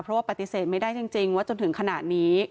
เพราะว่าปฏิเสธไม่ได้จริงว่าจนถึงขนาดนี้